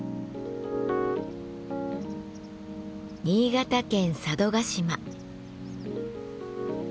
新潟県佐渡島。